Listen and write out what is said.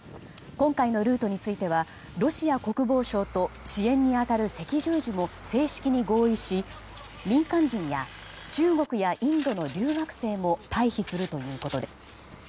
今回のルートについてはロシア国防省と支援に当たる赤十字も正式に合意し民間人や中国やインドの留学生も退避するということです。